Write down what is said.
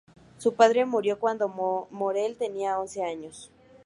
Su padre murió cuando Morel tenía once años.